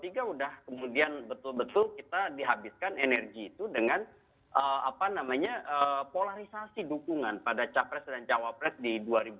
tiga udah kemudian betul betul kita dihabiskan energi itu dengan polarisasi dukungan pada capres dan cawapres di dua ribu dua puluh